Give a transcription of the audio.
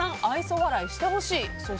愛想笑いしてほしい。